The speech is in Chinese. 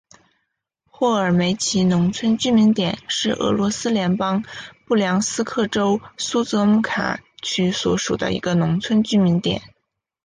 霍尔梅奇农村居民点是俄罗斯联邦布良斯克州苏泽姆卡区所属的一个农村居民点。